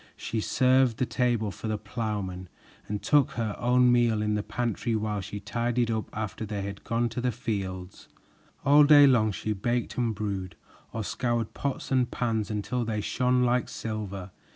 She served the table for the plowmen and took her own meal in the pantry while she tidied up after they had gone to the fields. All day long she baked and brewed, or scoured pots and pans until they shone like silver.